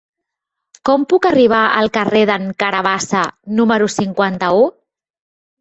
Com puc arribar al carrer d'en Carabassa número cinquanta-u?